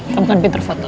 kamu kan pinter foto